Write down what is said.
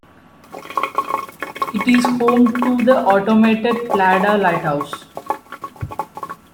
It is home to the automated Pladda Lighthouse.